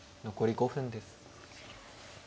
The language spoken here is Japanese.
残り５分です。